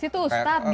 situ ustad gitu ya